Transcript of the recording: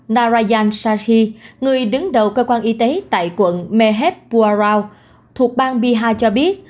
narayan shahi người đứng đầu cơ quan y tế tại quận mehepwarao thuộc bang piha cho biết